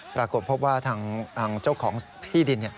ปรากฏพบว่าทางเจ้าของที่ดิน